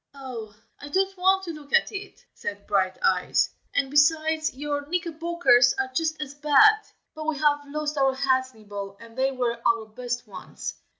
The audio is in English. "Oh! I don't want to look at it!" said Brighteyes; "and besides your knickerbockers are just as bad. But we have lost our hats, Nibble, and they were our best ones.